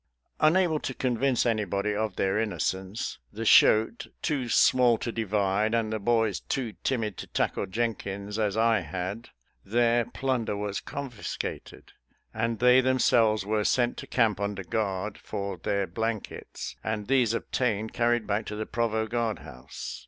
Unable to convince anybody of their innocence, the shoat, too small to divide, and the boys too timid to tackle Jenkins as I had, their plunder was confiscated, and they themselves were sent to camp under guard, for their blankets, and these obtained, carried back to the provost guard house.